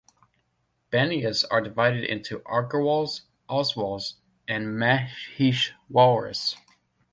Banias are divided into Aggarwals, Oswals and Maheshwaris.